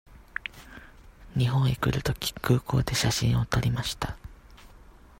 日本へ来るとき、空港で写真を撮りました。